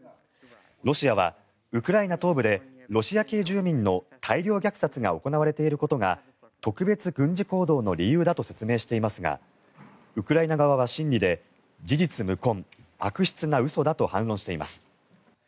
ロシアはウクライナ東部でロシア系住民の大量虐殺が行われていることが特別軍事行動の理由だと説明していますがウクライナ側は審理で事実無根悪質な嘘だと表明しています。